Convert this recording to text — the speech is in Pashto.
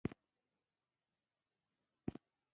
ځینې خپله وړتیا په کار نه اچوي.